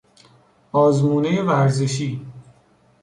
آزمونهی ورزشی